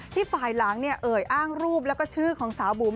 ฝ่ายหลังเนี่ยเอ่ยอ้างรูปแล้วก็ชื่อของสาวบุ๋ม